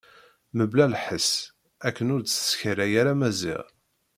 Mebla lḥess akken ur d-teskaray ara Maziɣ.